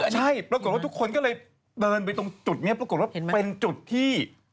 ใช่ปรากฏว่าทุกคนก็เลยเดินไปตรงจุดนี้ปรากฏว่าเป็นจุดที่